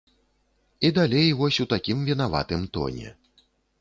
І далей вось у такім вінаватым тоне.